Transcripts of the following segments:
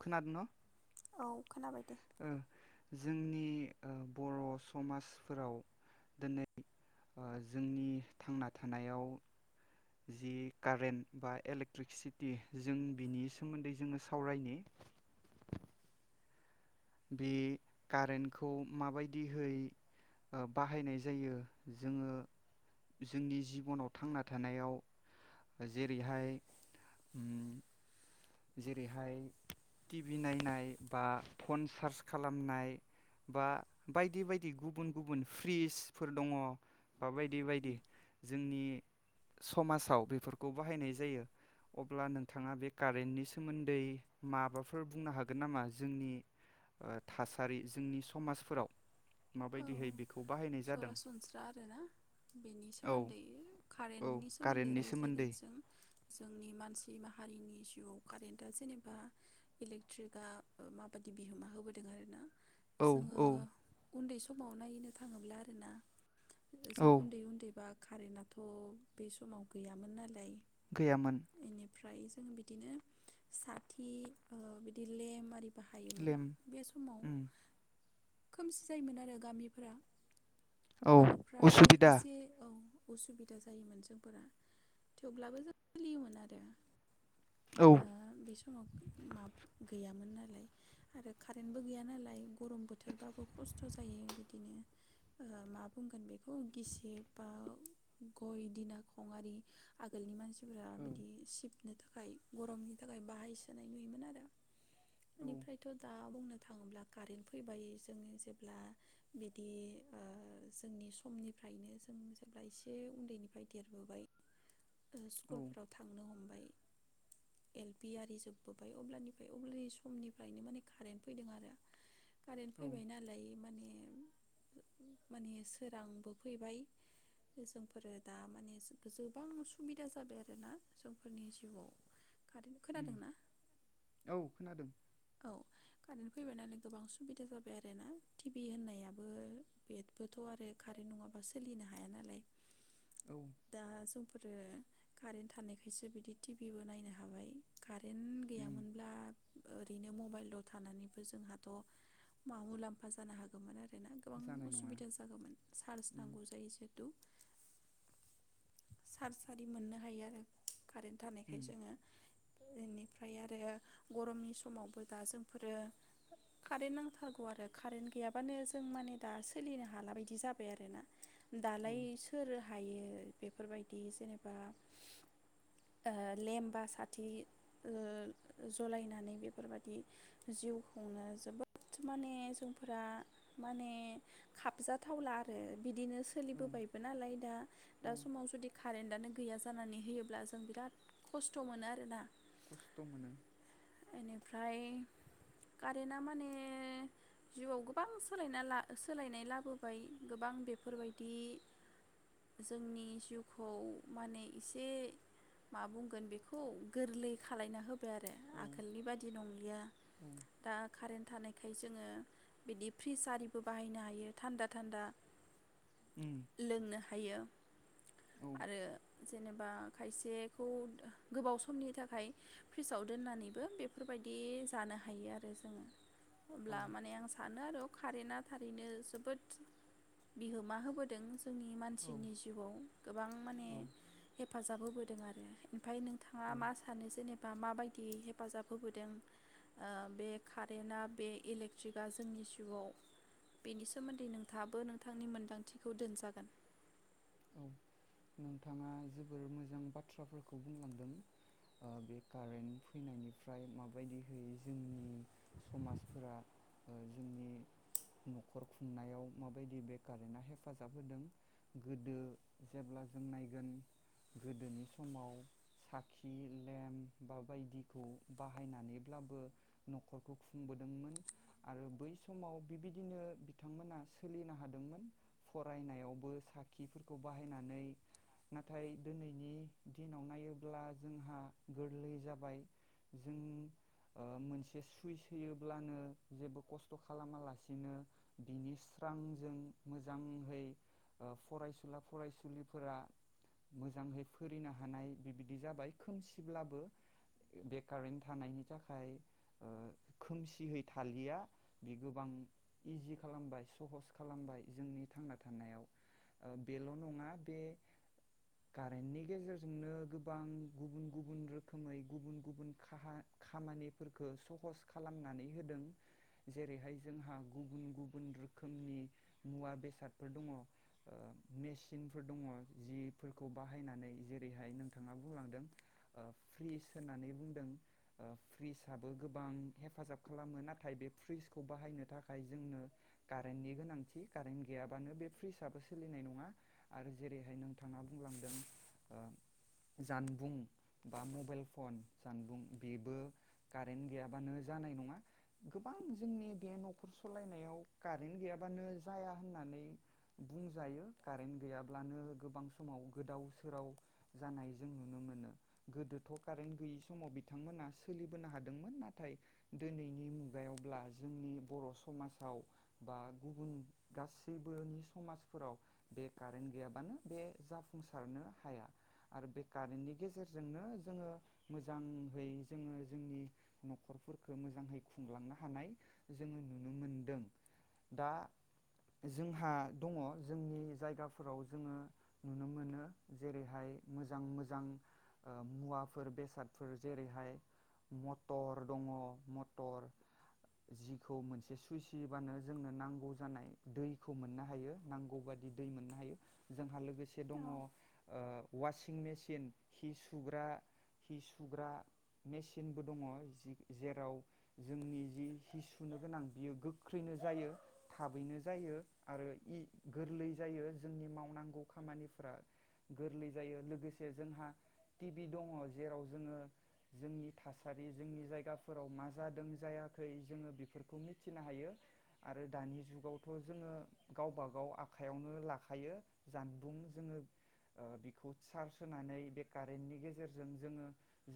खोनादों न' औ औ खोनाबाय दे ओ जोंनि ओ बर' समाजफोराव दिनै ओ जोंनि थांना थानायाव जि कारेन्ट बा इलेक्ट्रिसिटि जों बिनि सोमोन्दै जोङो सावरायनो बे कारेन्टखौ माबायदिहै बाहायनाय जायो जोङो जोंनि जिबनाव थांना थानायाव जेरैहाय जेरैहाय टिभि नायनाय बा फन चार्च खालामनाय बा बायदि बायदि गुबुन गुबुन फ्रिजफोर दङ। मा बायदि बायदि जोंनि समाजाव बेफोरखौ बाहायनाय जायो अब्ला नोंथाङा बे कारेन्टनि सोमोन्दै माबाफोर बुंनो हागोन नामा जोंनि थासारि जोंनि समाजफोराव औ माबायदिहै बेखौ बाहायनाय जादों सरासनस्रा आरोना बेनि औ सोमोन्दै औ कारेन्टनि सोमोन्दै कारेन्टनि रायज्लायगोन सोमोन्दै जों जोंनि मानसि माहारिनि जिउआव कारेन्टआ जेनेबा इलेक्ट्रिकआ माबायदि बिहोमा होबोदों आरोना औ जोङो औ उन्दै समाव नायनो था थाङोब्ला आरोना जों औ उन्दै उन्दै बा कारेन्टथ' बे समाव गैयामोन नालाय। गैयामोन फ्राय जों बिदिनो साथि ओ लेम आरि बाहायोमोन लेम बे समाव उम खोमसि जायोमोन आरो गामिफोरा औ बेनिफ्राय उसुबिदा एसे औ उसुबिदा जायोमोन जोंफोरा थेवब्लाबो जों सोलियोमोन आरो औ ओ बे समाव माब गैयामोन नालाय आरो कारेन्टबो गैया नालाय गरम बोथोरबाबो खस्थ' जायो बिदिनो। ओ मा बुंगोन बेखौ गिसि बा गय दिना खंआरि आगोलनि मानसि फोरा औ बिदि सिब नो थाखाय गरमनि थाखाय बाहायसोनाय नुयोमोन आरो औ बेनिफ्रायथ' दा मा बुंनो थाङोब्ला कारेन्ट फैबाया जोङो जेब्ला बि बि ओ‌ जोंनि समनिफ्रायनो जों जेब्ला एसे उन्दैनिफ्राय देरबोबाय औ स्कुलफोराव थांनो हम्ब ए एल पि आरि जोबबोबाय अब्लानिफ्राय उन्दै समनिफ्रायनो माने कारेन्ट फैदों आरो कारेन्ट औ फैबाय नालाय माने माने सोरांबो फैबाय जोंफोरो दा माने गोबां सुबिदा जाबाय आरोना जोंफोरनि जिउआव। कारेन्ट खोनादोंना औ खोनादों। औ कारेन्ट फैबाय नालाय गोबां सुबिदा जाबाय आरो ना टिभि होननायाबो बेदबोथ' आरो कारेन्ट नङाबा सोलिनो हाया नालाय औ दा जों फोर कारेन्ट थानायखायसो बिदि टिभिबो नायनो हाबाय। उम रैनो मबाइलल' थानानैबो जोंहाथ' मा मुलाम्फा जानो हागौमोन आरो गोबां जानाय नङा असुबिदा जागौमोन चार्ज उम नांगौ जायो ज दु सार सारि मोननो हायो आरो कारेन्ट थानायखाय उम जोङो बेनिफ्राय आरो गरमनि सम समावबो दा जोंफोरो कारेन्ट नांथारगौ आरो कारेन्ट गैयाबानो जों माने दा सोलिनो हाला बायदि जाबाय आरोना औ दालाय सोर हायो बेफोरबायदि जेनेबा ओ लेमबा साथि ओ जलायनानै बे बेफोरबायदि जिउ खुंनो जोबोद माने जोंफोरा माने खाबजाथावला आरो बिदिनो औ सोलिबोबायबो नालाय दा दा औ समाव जुदि कारेन्तदानो गैया जानानै होयोब्ला जों बिराद खस्थ' मोनो आरोना खस्थ' मोनो। बेनिफ्राय कारेन्टआ माने जिउआव गोबां सोलायना ला सोलायनाय लाबोबाय गोबां बेफोरबायदि जोंनि जिउखौ माने एसे मा बुंगोन बेखौ गोरलै खालायना होबाय आरो औ गोलनि बादि नंलिया औ दा कारेन्ट थानाय ओंखाय जोङो बिदि फ्रिज आरिबो बाहायनो हायो थान्दा थान्दा। उम लोंनो हायो। औ आरो जेनेबा खायसेखौ गोबाव समनि थाखाय फ्रिजाव दोननानै बेफोरबायदि जानो हायो आरो जोङो औ अब्ला माने आं सानो आरो कारेन्टा थारैनो जोबोद बिहोमा होबोदों जोंनि मानसिनि जिउआव गोबां माने औ हेफाजाब होबोदों जादों आरो ओमफ्राय नों थाङा औ मा सानो जेनेबा माबायदि द [unintelligible] हेफाजाब होबोदों बे कारेन्टआ बे इलेक्ट्रिकआ जोंनि जिउआव बेनि सोमोन्दै नोंथाबो नोंथांनि मोन्दांथिखौ दोनजागोन औ नोंथाङा जोबोर मोजां बाथ्राफोरखौ बुंलांदों बे कारेन्ट फैनायनिफ्राय माबायदिहै जोंनि समाजफोरा जोंनि न'खर खुंनायाव माबायदि बे कारेन्टा हेफाजाब होदों गोदो जेब्ला जों नायगोन गोदोनि समाव साखि लेम्प बा बायदिखौ बाहायनानैब्लाबो न'खरखौ खुंबोदोंमोन आरो बै समाव बिबायदिनो बिथांमोना सोलिनो हादोंमोन फरायनायावबो सा खिफोरखौ बाहायनानै नाथाय दिनैनि दिनाव नायोब्ला जोंहा गोरलै जाबाय जों मोनसे सुइस होयोब्लानो जेबो खस्थ' खालामालासिनो बिनि स्रांजों मोजाङै फरायसुला फरायसुलिफोरा मोजाङै फोनो हानाय बिबायदि जाबाय खोमसिब्लाबो बेकारैनो थानायनि थाखाय खोमसियै थालिया बे गोबां इजि खालामबाय सहस खालामबाय जोंनि थांना थानायाव बेल' नङा बे कारेन्टनि गेजेरजोंनो गोबां गुबुन गुबुन रोखोमै गुबुन गुबुन खामानिफोरखौ सहस खालामनानै होदों जेरैहाय जोंहा गुबुन गुबुन रोखोमनि मुवा बेसादफोर दङो मेसिनफोर दङ जिफोरखौ बाहायनानै जेरैहाय नोंथाङा बुंलांदों फ्रिज होननानै बुंदों फ्रिजआबो गोबां हेफाजाब खालामो नाथाय बे फ्रिजखौ बाहायनो थाखाय जोंनो कारेन्टनि गोनांथि कारेन्ट गैयाबानो बे फ्रिज आबो सोलिनाय नङा आरो जेरैहाय नोंथाङा बुंलांदों जानबुं बा मबाइल फन जानबुं बेबो कारेन्ट गैयाबानो जानाय नङा गोबां जोंनि बे न'खर सालायनायाव कारेन्ट गैयाबानो जाया होननानै बुंजायो कारेन्ट गैयाब्लानो गोबां समाव गोदाव सोराव जानाय जों नुनो मोनो गोदोथ' कारेन्ट गैयि समाव बिथांमोना सोलिबोनो हादोंमोन नाथाय दिनैनि मुगायावब्ला जोंनि बर' समाजाव बा गुबुन गासैबोनि समाजफोराव बे कारेन्ट गैयाबानो बे जाफुंसारनो हाया आरो बे कारेन्टनि गेजेरजोंनो जोङो मोजाङै जोङो जोंनि न'खरफोरखौ मोजाङै खुंलांनो हानाय जोङो नुनो मोनदों दा जोंहा दङ जोंनि जायगाफोराव जोङो नुनो मोनो जेरैहाय मोजां मोजां मुवाफोर बेसादफोर जेरैहाय मटर दङो मटर जिखौ मोनसे सुइसिबानो जोंनो नांगौ जानाय दैखौ मोननो हायो नांगौ बादि दै मोननो हायो जोंहा लोगो लोगोसे औ दङो वासिं मेसििन हि सुग्रा हि सुग्रा मेसििनबो दङ जि जेराव जोंनि जि हि सुनो गोनां बियो गोख्रैनो जायो थाबैनो जायो आरो गोरलै जायो जोंनि मावनांगौ खामानिफोरा गोरलै जायो लोगोसे जोंहा टि भि दङ जेराव जोङो जोंनि थासारि जोंनि जायगाफोराव मा जादों जायाखै जोङो बेफोरखौ मिथिनो हायो आरो दानि जुगावथ' जोङो गावबागाव गाव आखाइायावनो लाखायो जानबुं जोङो बेखौ चार्ज होनानै बे कारेन्टनि गेजेरजों जोङो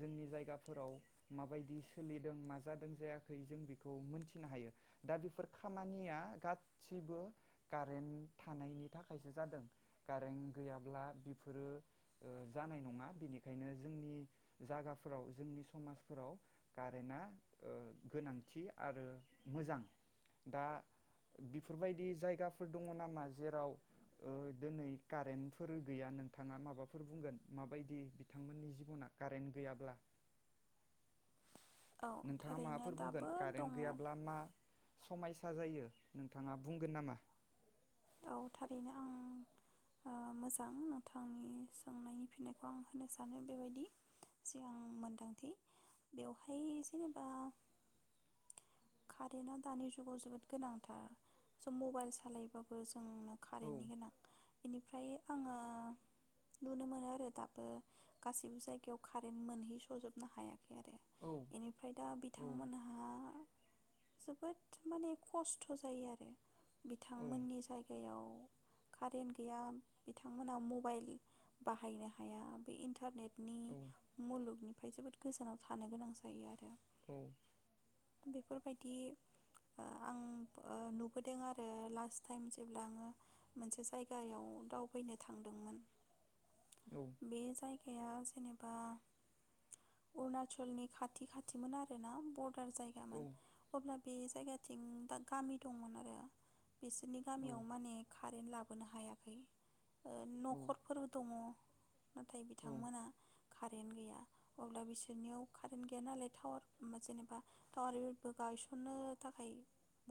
जोंनि जायगाफोराव माबायदि सोलिदों मा जादों जायाखै जों बेखौ मोनथिनो हायो दा बेफोर खामानिया गासिबो कारेन्ट थानायनि थाखायसो जादों कारेन्ट गैयाब्ला बेफोरो जानाय नङा बेनिखायनो जोंनि जायगाफोराव जोंनि समाजफोराव कारेन्टआ गोनांथि आरो मोजां दा बेफोरबायदि जायगा दङ नामा जेरावनै कारेन्ट गैया नोंथाङा माबाफोर बुंगोन माबायदि बिथांमोननि जिबना कारेन्ट गैयाब्ला औ नोंथाङा थारैनो माबाफोर बुंगोन दाबो दङ कारेन्ट गैयाब्ला मा समायसा जायो नोंथाङा बुंगोन नामा औ थारैनो आं मोजां नोंथांनि सोंनायनि फिननायखौ आं होनो सानो बेबायदि जे आं मोनदांथि बेवहाय जेनेबा कारेन्टआ दानि जुगाव जोबोद गोनांथार ज' मबाइल सालायोबाबो बास जोंनो औ कारेन्टनि गोनां बेनिफ्राय आङो नुनो मोनो आरो दाबो गासैबो जायगायाव कारेन्ट मोनहैस'जोबनो हायाखै आरो औ बेनिफ्राय दा औ बिथांमोनहा जोबोद माने खस्थ' जायो आरो औ बिथांमोननि जायगायाव कारेन्ट गैया बिथांमोना मबाइल बाहायनो हाया बे इन्टारनेट नि औ मुलुगनि ओमफफ्राय जोबोद गोजानाव थानो गोनां जायो आरो औ बेफोरबायदि आं नुबोदों आरो लास्ट टाइम जेब्ला आङो मोनसे जायगायाव दावबायैनो थांदोंमोन औ बे जायगाया जेनेबा अरुणाचलनि खाथि खाथिमोन आर ना बर दार औ जायगामोन अब्ला बे जायगाथिं दा गामि दंमोन आरो बिसोरनि औ गामियाव माने कारेन्ट लाब बोनो हायाखै औ नखरफोर दङ नाथाय औ बिथांमोनहा कारेन्ट गैया अब्ला बिसोरनियाव कारेन्ट गैया नालाय टावार जेनेबा टावारबो गायसननो थाखाय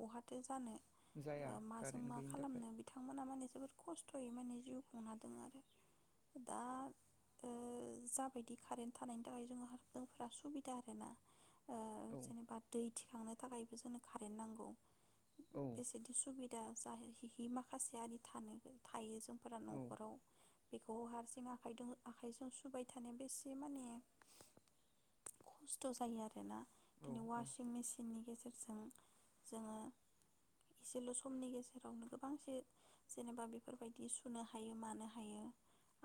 बहाथो जानो जाया माजों कारेन्ट मा गैयिनि थाखाय खालामनो बिथांमोना माने जोबोद खस्थ थयै माने जिउ खुं हादों आरो दा जाबायदि कारेन्ट थानायनि थाखाय जो जोंफोरा सुबिदा आरोना औ जेनेबा दै थिखांनो थाखायबो जोंनो कारेन्ट नांगौ औ बेसेदि सुबिदा जाहैओ माखासेयारि थानो थायो जों फोरा औ नखराव बेखौ हारसिं आखाइदों आखाइजों सुबाय थानो बेसे माने खस्थ जायो आरोना औ दिनै अवासिं मेसिननि गेजेरजों जोङो एसेल समनि गेजेरावनो गोबां जे जेनेबा बेफोरबायदि सुनो हायो मानो हायो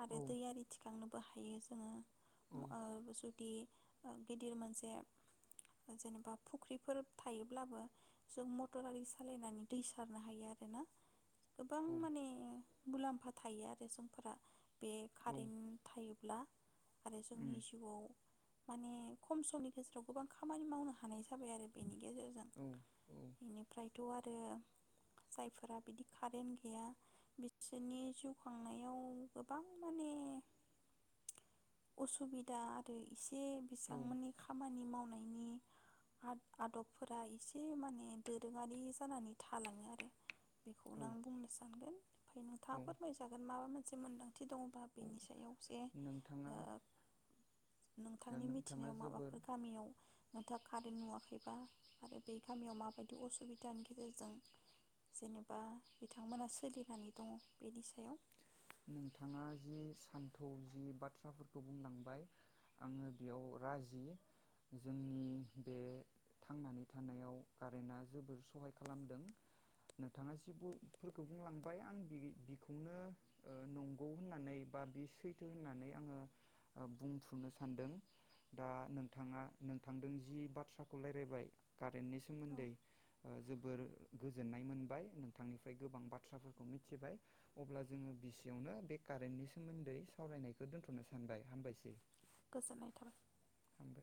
आरो दैयारि थिखांनोबो हा [unintelligible] जोङो औ ओ जुदि गिदिर मोनसे जेनेबा फुख्रिफोर थायोब्लाबो जों मटर आरि सालायनानै दै सारनो हायो आरो ना गोबां औ माने मुलाम्फा थायो आरो समफोरा बे कारेन्ट थायोब्ला आरो उम जोंनि जिउआव माने खम समनि गेजेराव गोबां खामानि मावनो हानाय जाबाय आरो बेनि गेजेरजों औ बेनिफ्राय आरो जायफोरा बिदि कारेन्ट गैया बिसोरनि जिउ खांनायाव गोबां माने असुबिदा आरो एस जे बिसांमानि खामानि मावनाय नि आदबफोरा एसे माने दोरोङारि जानानै थालाङो आरो औ बेखौनो आं बुंनो सानगोन ओमफ्राय औ नोंथाङा फोरमायजागोन माबा मोनसे मोनसे मोन्दों थि दङबा बेनि सायाव जे नोंथाङा नोंथांनि नोंथाङा मिथिनायाव जोबोर माबाफोर गामियाव नोंथां कारेन्ट नुवाखैबा आरो बे गामियाव माबायदि असुबिदानि गेजेरजों जेनेबा बिथांमोना सोलिनानै दङ बेनि सायाव नोंथाङा जि सान्थौ जि बाथ्राफोरखौ बुंलांबाय आङो बेयाव राजि जोंनि बे थांनानै थानायाव कारेन्टआ जोबोर सहाय खालामदों नोंथाङा जिफोरखौ बुंलांबाय आं बेखौनो नंगौ होननानै बा बे सैथो होननानै आङो बुंफुनो सानदों दा नोंथाङा नोंथांदों जि बाथ्राखौ राय्लायबाय रेण्डनि औ सोमोन्दै ओ जोबोर गोजोननाय मोनबाय नोंथांनिफ्राय गोबां बाथ्राफोरखौ मिथिबाय अब्ला जोङो बिस एसेयावनो बे कारेन्टनि सोमोन्दै सावरायनायखौ दोन्थ'नो सानबाय हामबायसै। गोजोननाय थाबाय। हामबाय